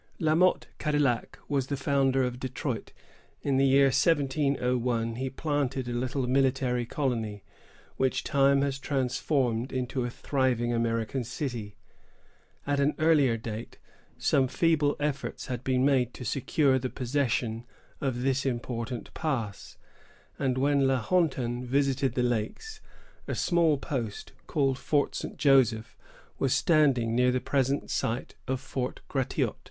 La Motte Cadillac was the founder of Detroit. In the year 1701, he planted the little military colony, which time has transformed into a thriving American city. At an earlier date, some feeble efforts had been made to secure the possession of this important pass; and when La Hontan visited the lakes, a small post, called Fort St. Joseph, was standing near the present site of Fort Gratiot.